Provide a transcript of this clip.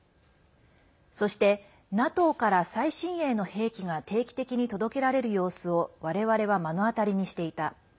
そして、ＮＡＴＯから最新鋭の兵器が定期的に届けられる様子をわれわれは目の当たりにしていた。